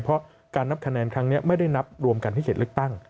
เพราะการนับคะแนนครั้งนี้ไม่ได้นับรวมกันที่เขตเลือกตั้ง